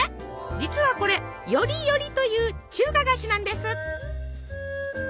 実はこれ「よりより」という中華菓子なんです。